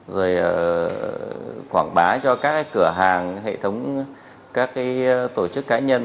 rồi quảng bá cho các cửa hàng hệ thống các tổ chức cá nhân